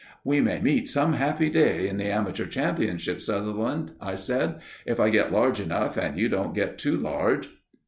"We may meet some happy day in the Amateur Championships, Sutherland," I said, "if I get large enough and you don't get too large."